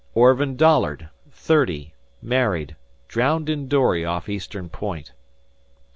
Orvin Dollard, 30, married, drowned in dory off Eastern Point."